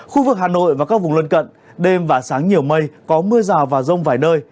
khu vực hà nội và các vùng lân cận đêm và sáng nhiều mây có mưa rào và rông vài nơi